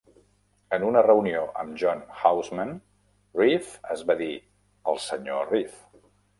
En una reunió amb John Houseman, Reeve es va dir, el Sr Reeve.